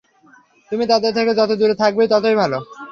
তুমি তাদের থেকে যত দূরে থাকবে ততই ভাল।